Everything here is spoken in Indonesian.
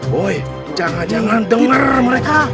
boy jangan jangan dengar mereka